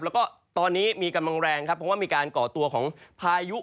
แล้วก็ตอนนี้มีกำลังแรงครับเพราะว่ามีการก่อตัวของพายุ